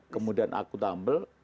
kemudian aku tambel